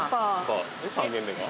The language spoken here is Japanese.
３軒目が？